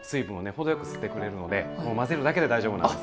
程よく吸ってくれるので混ぜるだけで大丈夫なんです。